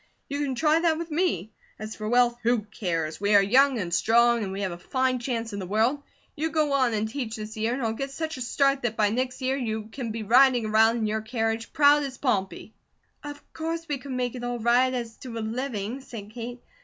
You can try that with me. As for wealth, who cares? We are young and strong, and we have a fine chance in the world. You go on and teach this year, and I'll get such a start that by next year you can be riding around in your carriage, proud as Pompey." "Of course we could make it all right, as to a living," said Kate.